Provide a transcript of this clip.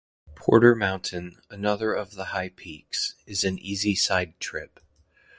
Porter Mountain, another of the High Peaks, is an easy side-trip.